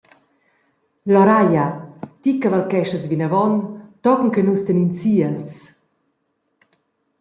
Loraia, ti cavalcheschas vinavon tochen che nus tenin si els.